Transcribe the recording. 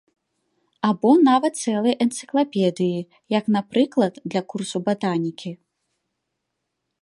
Або нават цэлыя энцыклапедыі, як, напрыклад, для курсу батанікі.